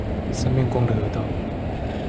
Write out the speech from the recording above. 三面光的河道